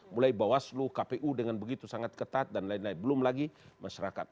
mulai bawaslu kpu dengan begitu sangat ketat dan lain lain belum lagi masyarakat